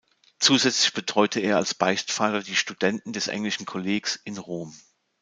Zusätzlich betreute er als Beichtvater die Studenten des englischen Kollegs in Rom.